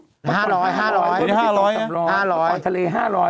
ห้าร้อยห้าร้อยห้าร้อยห้าร้อยห้าร้อยห้าร้อยห้าร้อยห้าร้อยห้าร้อยห้าร้อย